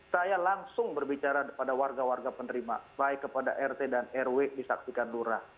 saya langsung berbicara kepada warga warga penerima baik kepada rt dan rw di saksikan dura